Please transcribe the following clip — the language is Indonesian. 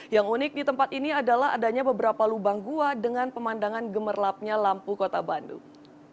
yang unik di tempat ini adalah adanya beberapa lubang gua dengan pemandangan gemerlapnya lampu kota bandung